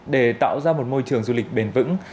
để tạo ra một môi trường du lịch bền vững